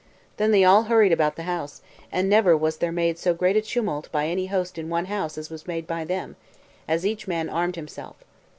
Then they all hurried about the house, and never was there made so great a tumult by any host in one house as was made by them, as each man armed himself.